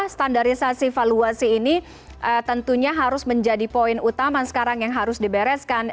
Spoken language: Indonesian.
standarisasi valuasi ini tentunya harus menjadi poin utama sekarang yang harus dibereskan